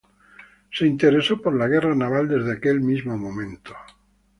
Se interesó por la guerra naval desde aquel mismo momento.